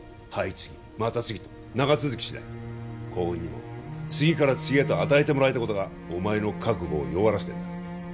次また次と長続きしない幸運にも次から次へと与えてもらえたことがお前の覚悟を弱らせてんだ